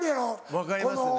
分かりますね。